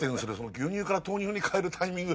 牛乳から豆乳にかえるタイミング